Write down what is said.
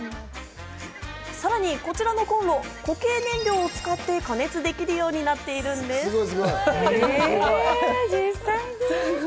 さらにこちらのコンロ、固形燃料を使って加熱できるようになっているんです。